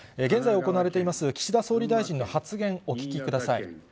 現在行われています、岸田総理大臣の発言、お聞きください。